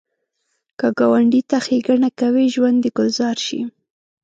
که ګاونډي ته ښیګڼه کوې، ژوند دې ګلزار شي